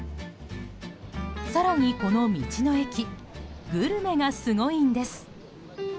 更に、この道の駅グルメがすごいんです。